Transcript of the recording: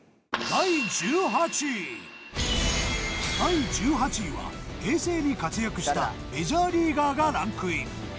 第１８位は平成に活躍したメジャーリーガーがランクイン。